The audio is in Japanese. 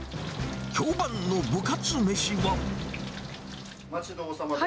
評判の部活めしは。